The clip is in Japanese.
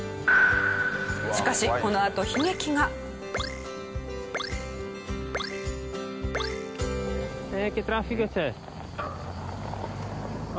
しかしこのあと悲劇が。えっ！？